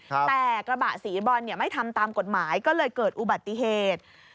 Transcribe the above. แต่กระบะสีบรอนไม่ทำตามกฎหมายก็เลยเกิดอุบัติเหตุ